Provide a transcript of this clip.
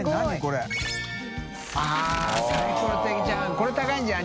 これ高いんじゃん？